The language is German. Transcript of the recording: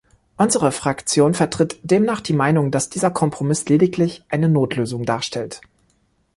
Unsere Fraktion vertritt demnach die Meinung, dass dieser Kompromiss lediglich eine Notlösung darstellt.